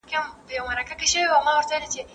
زه به سبا سينه سپين کړم؟